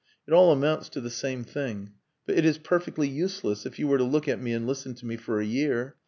It all amounts to the same thing. But it is perfectly useless, if you were to look at me and listen to me for a year.